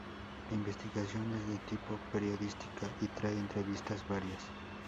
La investigación es de tipo periodística y trae entrevistas varias"".